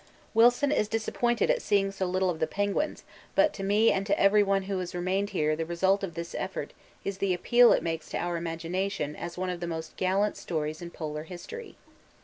Wilson is disappointed at seeing so little of the penguins, but to me and to everyone who has remained here the result of this effort is the appeal it makes to our imagination as one of the most gallant stories in Polar History.